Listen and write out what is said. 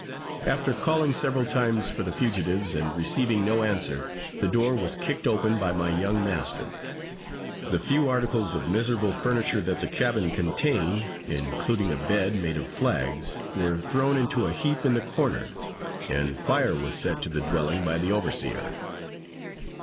After calling several times for the fugitives, and receiving no answer, the door was kicked open by my young master; the few articles of miserable furniture that the cabin contained, including a bed, made of flags, were thrown into a heap in the corner, and fire was set to the dwelling by the overseer.